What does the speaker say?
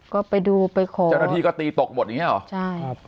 เจ้าหน้าที่ก็ตีตกหมดอย่างนี้หรอ